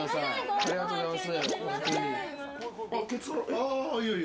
ありがとうございます。